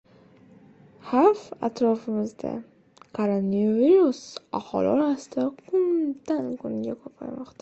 Xavf atrofimizda: Koronavirus aholi orasida kundan-kunga ko‘paymoqda